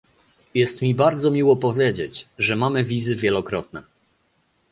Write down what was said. Jest mi bardzo miło powiedzieć, że mamy wizy wielokrotne